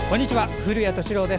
古谷敏郎です。